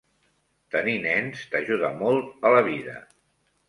Tenir nens t'ajuda molt a la vida.